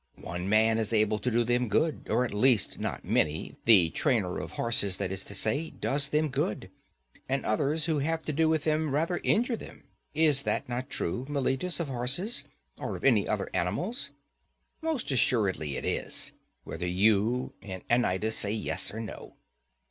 One man is able to do them good, or at least not many;—the trainer of horses, that is to say, does them good, and others who have to do with them rather injure them? Is not that true, Meletus, of horses, or of any other animals? Most assuredly it is; whether you and Anytus say yes or no.